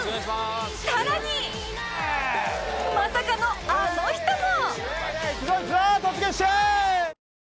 さらにまさかのあの人も！